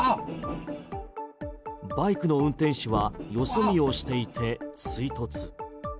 バイクの運転手はよそ見をしていて追突。